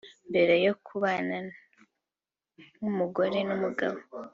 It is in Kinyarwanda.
Mbere yo kubana nk’umugore n’umugabo